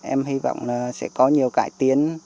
em hy vọng sẽ có nhiều cải tiến